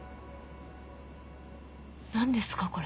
何ですか？